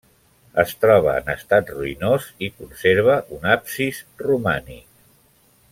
Es troba en estat ruïnós i conserva un absis romànic.